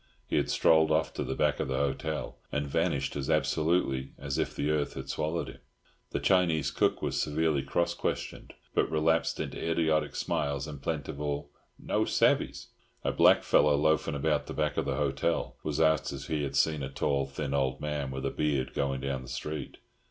He had strolled off to the back of the hotel, and vanished as absolutely as if the earth had swallowed him. The Chinese cook was severely cross questioned, but relapsed into idiotic smiles and plentiful "No savee's". A blackfellow, loafing about the back of the hotel, was asked if he had seen a tall, thin old man with a beard going down the street.